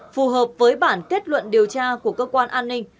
phù hợp với bản kết luận điều tra của cơ quan an ninh